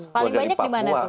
paling banyak di mana